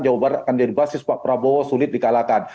jawa barat akan jadi basis pak prabowo sulit dikalahkan